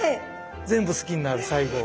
全部好きになる最後は。